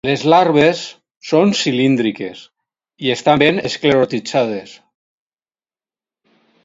Les larves són cilíndriques i estan ben esclerotitzades.